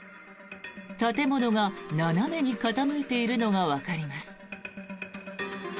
建物が斜めに傾いているのがわかります。